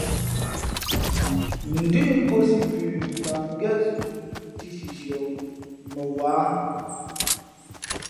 Ndʉ́ʼ nkōsī pʉ lah ngén zʉʼ nthī sʉsʉα mα wǎ.